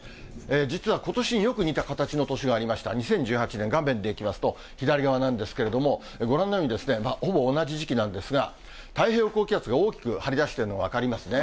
実はことしによく似た形の年がありました、２０１８年、画面でいきますと、左側なんですけれども、ご覧のように、ほぼ同じ時期なんですが、太平洋高気圧が大きく張り出しているのが分かりますね。